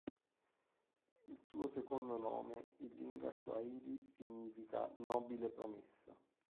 Il suo secondo nome in lingua swahili significa "nobile promessa".